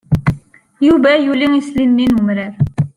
Yuba yuli isili-nni n umrar.